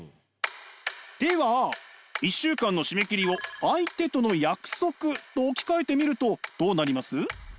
では１週間の締め切りを相手との約束と置き換えてみるとどうなります？